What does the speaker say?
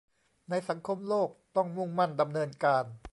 ในสังคมโลกต้องมุ่งมั่นดำเนินการ